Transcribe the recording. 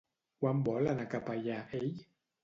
Quan vol anar cap allà ell?